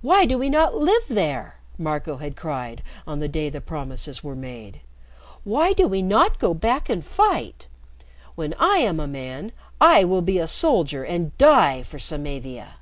"Why do we not live there," Marco had cried on the day the promises were made. "Why do we not go back and fight? When I am a man, I will be a soldier and die for Samavia."